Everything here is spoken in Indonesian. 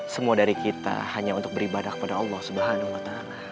semua dari kita hanya untuk beribadah kepada allah swt